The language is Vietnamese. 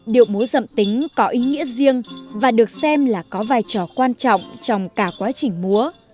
điệu múa dậm tính có ý nghĩa riêng và được xem là có vai trò quan trọng trong cả quá trình múa